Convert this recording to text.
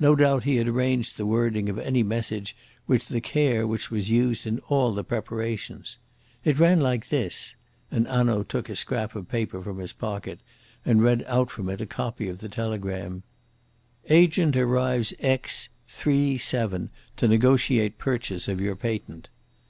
No doubt he had arranged the wording of any message with the care which was used in all the preparations. It ran like this" and Hanaud took a scrap of paper from his pocket and read out from it a copy of the telegram: "'Agent arrives Aix 3.7 to negotiate purchase of your patent.'